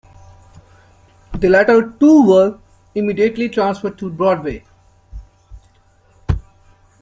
The latter two were immediately transferred to Broadway.